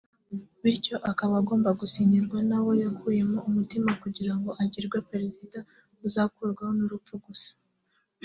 bityo akaba agomba gusinyirwa n’abo yakuyemo umutima kugira ngo agirwe Perezida uzakurwaho n’urupfu gusa